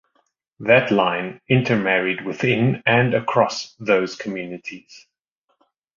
That line intermarried within and across those communities.